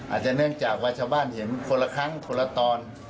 อาจจะเนื่องจากว่าชาวบ้านเห็นคนละครั้งคนละตอน